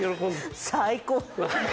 最高。